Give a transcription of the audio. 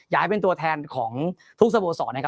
อยากให้เป็นตัวแทนของทุกสโบสอท